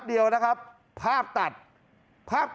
ทำไมคงคืนเขาว่าทำไมคงคืนเขาว่า